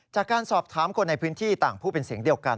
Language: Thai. จากการสอบถามคนในพื้นที่ต่างพูดเป็นเสียงเดียวกัน